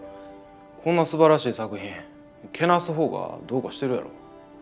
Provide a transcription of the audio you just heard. こんなすばらしい作品けなす方がどうかしてるやろ。